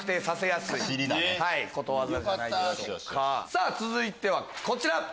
さぁ続いてはこちら。